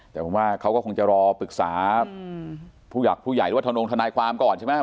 แต่ผมว่าเขาก็คงจะรอปรึกษาผู้หลักผู้ใหญ่หรือว่าทนงทนายความก่อนใช่ไหม